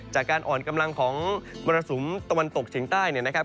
จากการอ่อนกำลังของมรสุมตะวันตกเฉียงใต้เนี่ยนะครับ